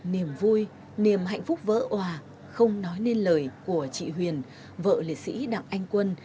niềm vui niềm hạnh phúc vỡ hòa không nói lên lời của chị huyền vợ liệt sĩ đặng anh quân